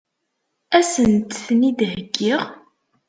Ad sent-ten-id-heggiɣ?